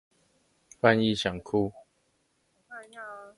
翻譯想哭